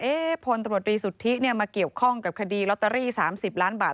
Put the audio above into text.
พลตำรวจรีสุทธิมาเกี่ยวข้องกับคดีลอตเตอรี่๓๐ล้านบาท